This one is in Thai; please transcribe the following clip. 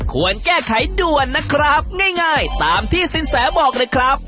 ควรแก้ไขด่วนนะครับง่ายตามที่สินแสบอกเลยครับ